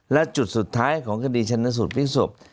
และจุดสุดท้ายของคดีชนสูตรพลิกศพ